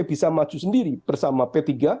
bisa maju sendiri bersama p tiga